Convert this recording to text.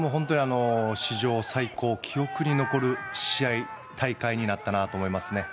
史上最高記憶に残る試合大会になったと思いますね。